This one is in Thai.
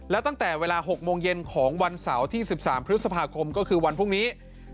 และตั้งแต่เวลา๖โมงเย็นของวันเสาร์ที่๑๓พฤษภาคมก็คือวันพรุ่งนี้